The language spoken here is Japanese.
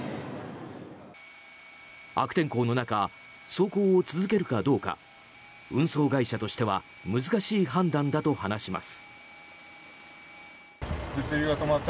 悪天候の中走行を続けるかどうか運送会社としては難しい判断だと話します。